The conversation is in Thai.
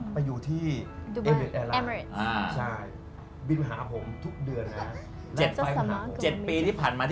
ไปอยู่ที่เอเมริต